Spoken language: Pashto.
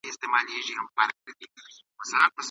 پلار وويل چي په زغم سره هره ستونزه حليږي.